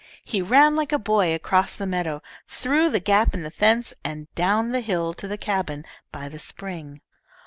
He ran like a boy across the meadow, through the gap in the fence, and down the hill to the cabin by the spring.